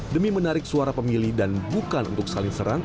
demi menarik suara pemilih dan bukan untuk saling serang